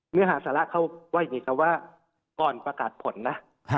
เนื้อหาสาระเขาว่าอย่างนี้ครับว่าก่อนประกาศผลนะ